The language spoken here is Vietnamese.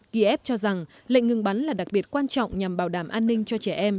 kiev cho rằng lệnh ngừng bắn là đặc biệt quan trọng nhằm bảo đảm an ninh cho trẻ em